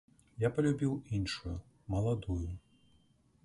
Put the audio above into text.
Я палюбіў іншую, маладую.